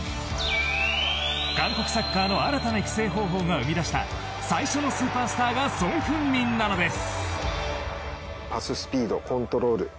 韓国サッカーの新たな育成方法が生み出した最初のスーパースターがソン・フンミンなのです。